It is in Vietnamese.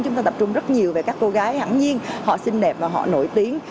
chúng ta tập trung rất nhiều về các cô gái hẳn nhiên họ xinh đẹp và họ nổi tiếng